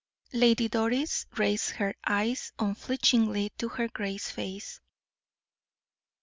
Lady Doris raised her eyes unflinchingly to her grace's face.